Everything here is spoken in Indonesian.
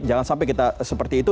jangan sampai kita seperti itu